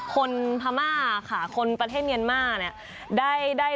พม่าค่ะคนประเทศเมียนมาร์เนี่ย